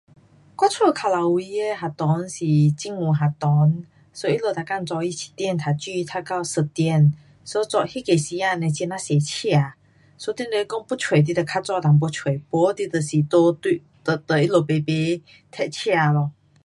我家靠牢围的学堂是政府学堂，so 他们每天早上七点读书，读到一点 so 早，那个时间呢很呐多车。so 你若是讲要出你得较早一点出。不你就是跟你，跟他们排排赛车咯。